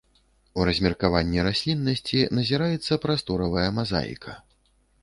У размеркаванні расліннасці назіраецца прасторавая мазаіка.